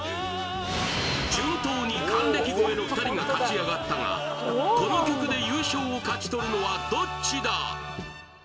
順当に還暦超えの２人が勝ち上がったがこの曲で優勝を勝ち取るのはどっちだ